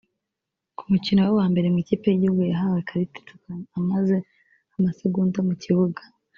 Ku mukino we wambere mu ikipe y’igihugu yahawe ikarita itukura amaze amasegonda mu kibuga